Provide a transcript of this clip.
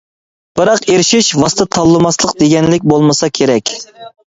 بىراق، ئېرىشىش — ۋاسىتە تاللىماسلىق دېگەنلىك بولمىسا كېرەك.